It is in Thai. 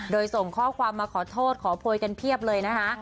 โดยส่งข้อความมาขอโทษขอโพยกันเพียบเลยนะคะ